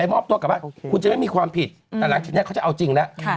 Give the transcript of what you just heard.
มีความผิดแต่หลังจากนี้เขาจะเอาจริงแล้ว